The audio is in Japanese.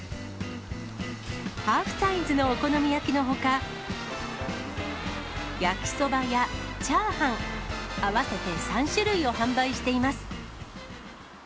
ハーフサイズのお好み焼きのほか、焼きそばやチャーハン、合わせて３種類を販売しています。